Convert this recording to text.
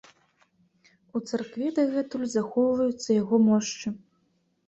У царкве дагэтуль захоўваюцца яго мошчы.